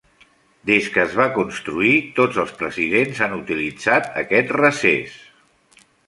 Des que es va construir, tots els presidents han utilitzat aquest recés.